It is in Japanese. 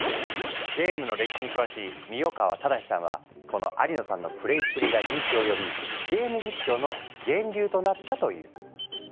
ゲームの歴史に詳しい三代川正さんはこの有野さんのプレーっぷりが人気を呼びゲーム実況の源流となったと言う。